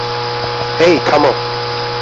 হেই, থামো!